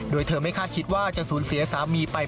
โดยเธอไม่คาดคิดว่าจะสูญเสียสามีไป